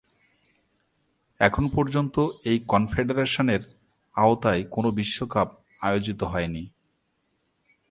এখন পর্যন্ত এই কনফেডারেশনের আওতায় কোনো বিশ্বকাপ আয়োজিত হয়নি।